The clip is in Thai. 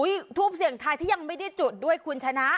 ทูปเสียงทายที่ยังไม่ได้จุดด้วยคุณชนะ